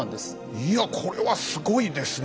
いやこれはすごいですね。